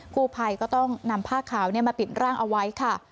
ผู้ภัยก็ต้องนำผ้าขาวมาปิดร่างเอาไว้ค่ะ